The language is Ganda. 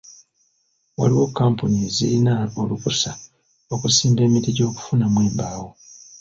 Waliwo kkampuni ezirina olukusa okusimba emiti gy'okufunamu embaawo.